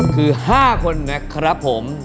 คือ๕คนนะครับผม